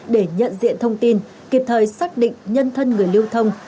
để nhận diện thông tin kịp thời xác định nhân thân người lưu thông